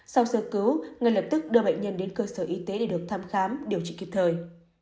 sau sơ cứu ngay lập tức đưa bệnh nhân đến cơ sở y tế để được thăm khám điều trị kịp thời